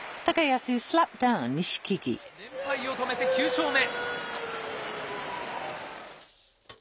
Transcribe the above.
連敗を止めて９勝目。